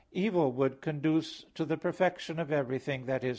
iv, 23): "Evil would conduce to the perfection of everything," i.e.